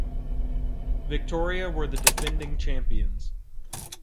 Victoria were the defending champions.